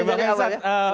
oke pak pesat